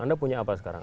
anda punya apa sekarang